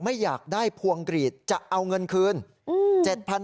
ไม่อยากได้พวงกรีดจะเอาเงินคืน